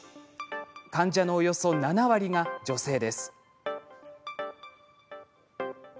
患者のおよそ７割が女性です。